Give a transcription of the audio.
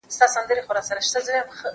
زه پرون ليکلي پاڼي ترتيب کړل!؟